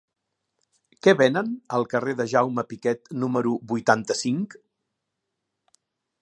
Què venen al carrer de Jaume Piquet número vuitanta-cinc?